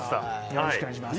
よろしくお願いします